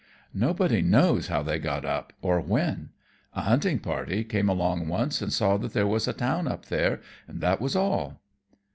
"Nobody knows how they got up or when. A hunting party came along once and saw that there was a town up there, and that was all."